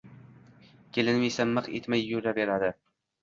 Kelinim esa miq etmay yuraverdi